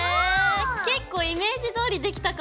結構イメージどおりできたかも。